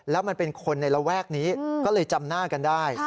แล้วมันเป็นคนในระแวกนี้ก็เลยจำหน้ากันได้